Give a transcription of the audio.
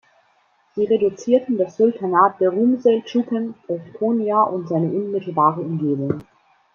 Sie reduzierten das Sultanat der Rum-Seldschuken auf Konya und seine unmittelbare Umgebung.